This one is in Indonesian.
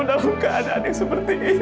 dalam keadaan yang seperti ini